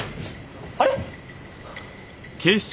あれ？